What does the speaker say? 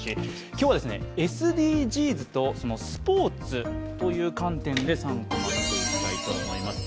今日はＳＤＧｓとスポーツという観点で３コマ、見ていきたいと思います。